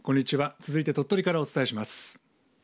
続いて鳥取からお伝えします。